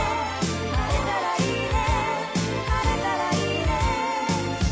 「晴れたらいいね」